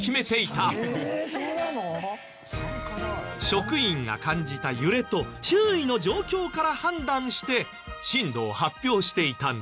職員が感じた揺れと周囲の状況から判断して震度を発表していたんです。